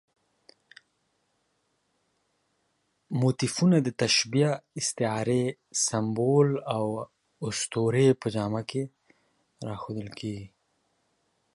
موتیفونه د تشبیه، استعارې، سمبول او اسطورې په جامه کې راښودل کېږي.